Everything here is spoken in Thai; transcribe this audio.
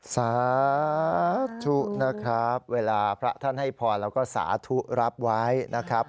สาธุนะครับเวลาพระท่านให้พรแล้วก็สาธุรับไว้นะครับ